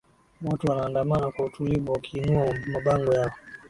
watu wanaandamana kwa utulivu wakiinua mabango yao